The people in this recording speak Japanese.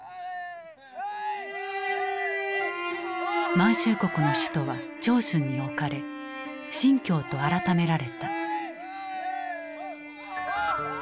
満州国の首都は長春に置かれ「新京」と改められた。